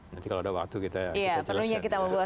nanti kalau ada waktu kita jelaskan